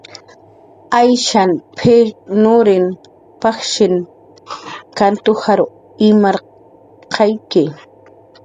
"Ayshan p""iwrirun pajshin kant ujar imarqayki. "